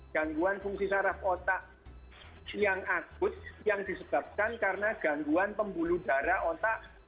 gangguan fungsi saraf otak yang akut yang disebabkan karena gangguan pembuluh darah otak